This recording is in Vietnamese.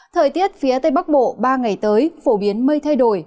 thời tiết phía tây bắc bộ ba ngày tới phổ biến mây thay đổi